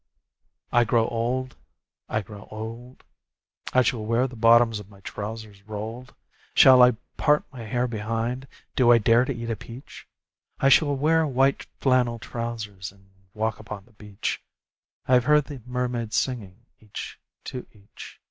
I grow old ... I grow old ... I shall wear the bottoms of my trousers rolled. Shall I part my hair behind? Do I dare to eat a peach? I shall wear white flannel trousers, and walk upon the beach. I have heard the mermaids singing, each to each.